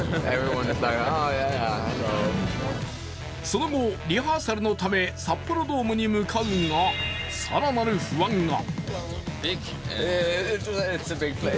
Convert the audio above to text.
その後、リハーサルのため札幌ドームに向かうが、更なる不安が。